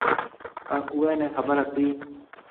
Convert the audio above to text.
پڻ اُوئي نَي خبر ھتِي۔